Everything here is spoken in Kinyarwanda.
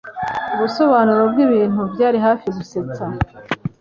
Ubusobanuro bwibintu byari hafi gusetsa.